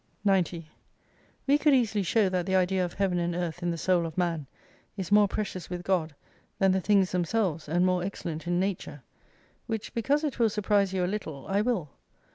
90 "We could easily show that the idea of Heaven and Earth in the Soul of Man, is more precious with God than the things themselves and more excellent in nature. Which because it will surprise you a little, I will.